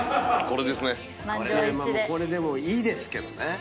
これでもいいですけどね。